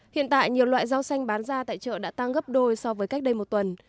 hiện tại nhiều loại rau xanh bán ra tại chợ đã tăng gấp đôi so với cách đây một tuần